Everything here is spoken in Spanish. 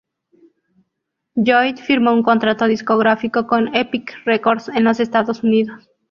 Lloyd firmó un contrato discográfico con Epic Records en los Estados Unidos.